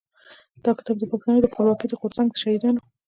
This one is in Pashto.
دا کتاب د پښتنو د خپلواکۍ د غورځنګ د شهيدانو.